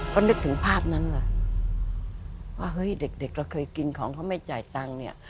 ก็นึกถึงภาพนั้นล่ะว่าเฮ้ยเด็กเราเคยกินของเขาไม่จ่ายตังค์เนี่ย